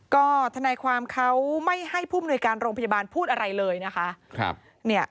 ก็ทนายความเขาไม่ให้ผู้มนุยการโรงพยาบาลพูดอะไรเลยนะคะ